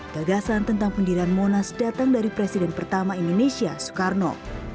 gagasan tentang pendirian monas datang dari presiden pertama indonesia soekarno